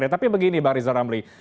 tapi begini bang rizal ramli